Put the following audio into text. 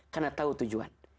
karena tahu tujuan